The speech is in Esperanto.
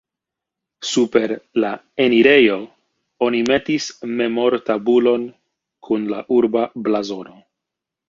Super la enirejo oni metis memortabulon kun la urba blazono.